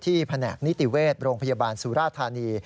แผนกนิติเวชโรงพยาบาลสุราธานี